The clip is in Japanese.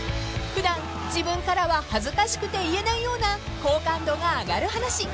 ［普段自分からは恥ずかしくて言えないような好感度が上がる話］